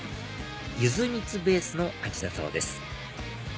ユズ蜜ベースの味だそうです